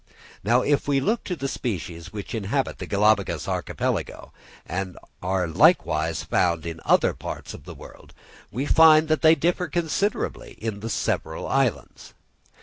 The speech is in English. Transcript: Now if we look to the species which inhabit the Galapagos Archipelago, and are likewise found in other parts of the world, we find that they differ considerably in the several islands.